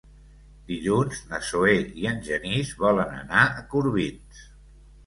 Dilluns na Zoè i en Genís volen anar a Corbins.